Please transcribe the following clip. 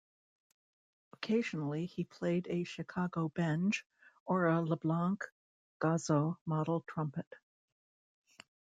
Occasionally, he played a Chicago Benge or a LeBlanc Gozzo model trumpet.